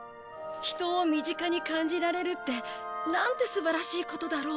人を身近に感じられるってなんて素晴らしいことだろうって。